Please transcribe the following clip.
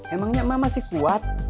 emangnya emak masih kuat